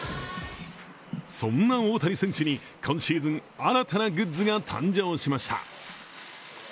そんな大谷選手に、今シーズン新たなグッズが誕生しました。